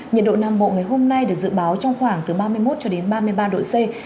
nhiệt độ nam bộ ngày hôm nay được dự báo trong khoảng từ ba mươi một cho đến ba mươi ba độ c